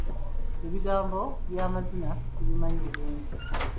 Ebigambo by'amazina sibimanyi bulungi.